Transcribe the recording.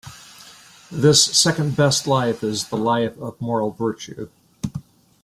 This second best life is the life of moral virtue.